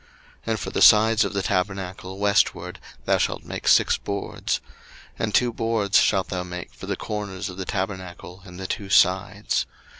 02:026:022 And for the sides of the tabernacle westward thou shalt make six boards. 02:026:023 And two boards shalt thou make for the corners of the tabernacle in the two sides.